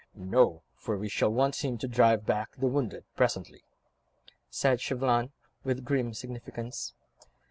"No, for we shall want him to drive back the wounded presently," said Chauvelin, with grim significance.